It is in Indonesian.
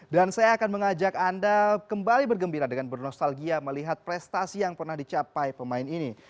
dan saya akan mengajak anda kembali bergembira dengan bernostalgia melihat prestasi yang pernah dicapai pemain ini